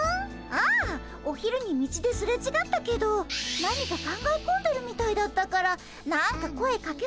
ああお昼に道ですれちがったけど何か考え込んでるみたいだったから何か声かけそびれちゃって。